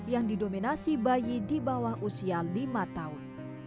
yang didominasi bayi di bawah usia lima tahun